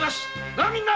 なみんな！